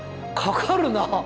かかるなあ。